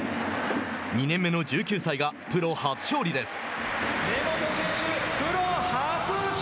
２年目の１９歳がプロ初勝利です。